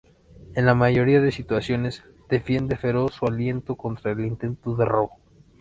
En la mayoría de situaciones, defiende feroz su alimento contra el intento de robo.